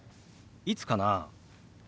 いつかな？